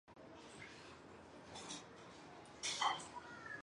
拉布尼茨河畔曼内尔斯多夫是奥地利布尔根兰州上普伦多夫县的一个市镇。